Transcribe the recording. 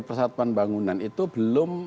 persatuan bangunan itu belum